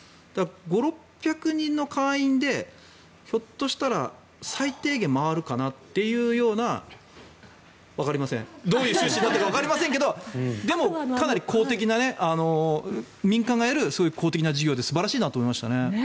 ５００６００人の会員でひょっとしたら最低限回るかなというようなわかりません、どういう収支になっているかわかりませんがでも、民間がやる公的な事業で素晴らしいなと思いましたね。